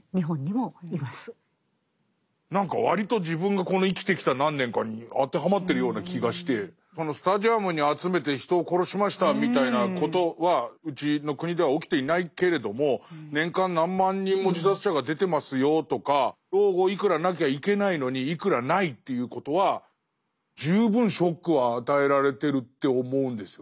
何か割と自分がこの生きてきた何年かに当てはまってるような気がしてそのスタジアムに集めて人を殺しましたみたいなことはうちの国では起きていないけれども年間何万人も自殺者が出てますよとか老後いくらなきゃいけないのにいくらないということは十分ショックは与えられてるって思うんですよね。